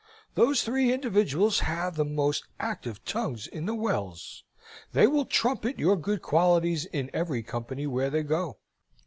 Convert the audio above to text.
"Those three individuals have the most active tongues in the Wells. They will trumpet your good qualities in every company where they go.